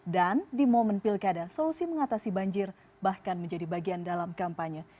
dan di momen pilkada solusi mengatasi banjir bahkan menjadi bagian dalam kampanye